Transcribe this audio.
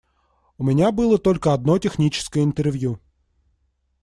У меня было только одно техническое интервью.